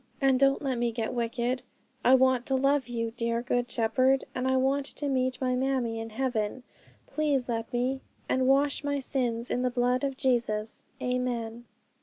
And don't let me get wicked; I want to love you, dear Good Shepherd, and I want to meet my mammie in heaven: please let me; and wish my sins in the blood of Jesus. Amen.'